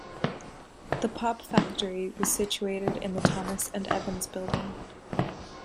The pop factory was situated in the Thomas and Evans building.